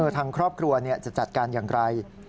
ทางครอบครัวจะจัดการอย่างไร